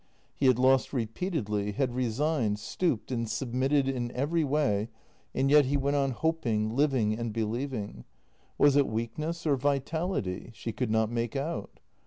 He had lost repeatedly, had resigned, stooped, and submitted in every way, and yet he went on hoping, living, and believing. Was it weakness or vitality? She could not make out.